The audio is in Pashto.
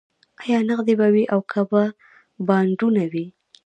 ایا نغدې به وي او که به بانډونه وي